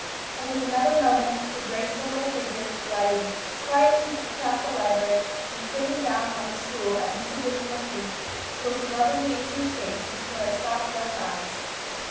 And in another moment a graceful little figure glided quietly across the library, and sitting down on a stool at Mr. Dinsmore's feet, looked lovingly into his face with a pair of soft, dark eyes.